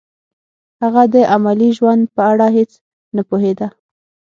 هغه د عملي ژوند په اړه هیڅ نه پوهېده